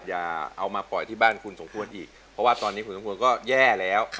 อย่าเอามาปล่อยที่บ้านคุณสมควรอีกเพราะว่าตอนนี้คุณสมควรก็แย่แล้ว